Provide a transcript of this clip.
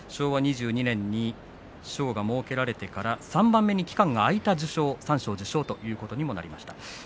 昭和２２年に賞が設けられてから３番目に期間が空いた受賞となりました。